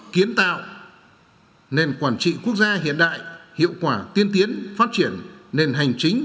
kiến tạo nền quản trị quốc gia hiện đại hiệu quả tiên tiến phát triển nền hành chính